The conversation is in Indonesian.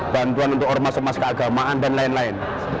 bantuan untuk ormas ormas keagamaan dan lain lain